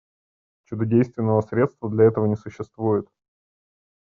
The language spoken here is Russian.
Чудодейственного средства для этого не существует.